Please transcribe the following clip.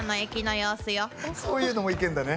そういうのもいけんだね。